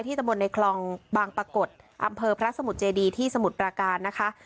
ตะบนในคลองบางปรากฏอำเภอพระสมุทรเจดีที่สมุทรปราการนะคะ